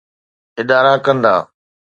ادارا ڪندا؟